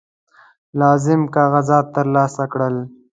لازم کاغذات ترلاسه کړل.